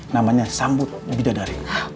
namanya sambut bidadari